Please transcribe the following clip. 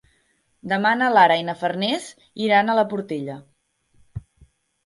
Demà na Lara i na Farners iran a la Portella.